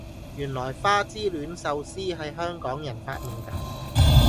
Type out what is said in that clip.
原來花之戀壽司係香港人發明架